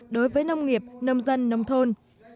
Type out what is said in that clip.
đối với nông nghiệp nông dân nông thôn